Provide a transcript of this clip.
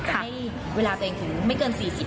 ให้เวลาตัวเองถึงไม่เกิน๔๐